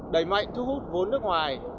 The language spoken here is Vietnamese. đẩy mạnh thu hút vốn nước ngoài